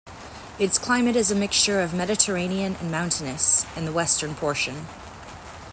Its climate is a mixture of Mediterranean and mountainous in the western portion.